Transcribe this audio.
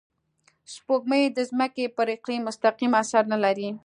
سپوږمۍ د ځمکې پر اقلیم مستقیم اثر نه لري